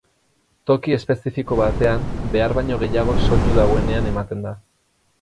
Toki espezifiko batean behar baino gehiago soinu dagoenean ematen da.